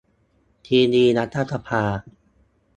ทีวีรัฐสภา